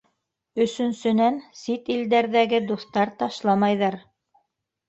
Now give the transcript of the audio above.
Өсөнсөнән, сит илдәрҙәге дуҫтар ташламайҙар.